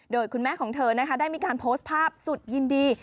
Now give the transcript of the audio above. โดยคุณแม่ของเธอนะคะได้มีการโพสต์ภาพสุดยินดี